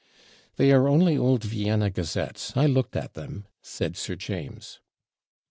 'They are only old Vienna Gazettes; I looked at them,' said Sir James.